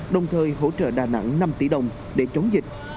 đồng thời hỗ trợ đà nẵng năm tỷ đồng để chống dịch